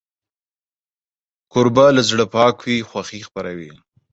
کوربه که له زړه پاک وي، خوښي خپروي.